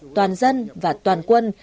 toàn dân và toàn quân